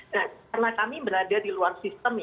nah karena kami berada di luar sistem